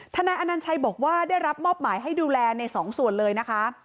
นายอนัญชัยบอกว่าได้รับมอบหมายให้ดูแลในสองส่วนเลยนะคะ